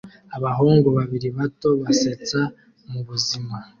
Abahungu babiri bato basetsa mubuzima